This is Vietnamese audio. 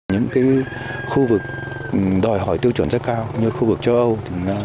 những khu vực đòi hỏi tiêu chuẩn rất cao như khu vực châu âu